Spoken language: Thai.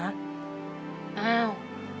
อ้าว